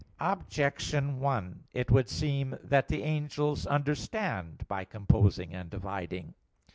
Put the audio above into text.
Objection 1: It would seem that the angels understand by composing and dividing.